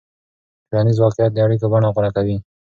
ټولنیز واقعیت د اړیکو بڼه غوره کوي.